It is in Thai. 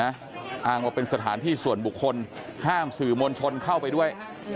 อ้างว่าเป็นสถานที่ส่วนบุคคลห้ามสื่อมวลชนเข้าไปด้วย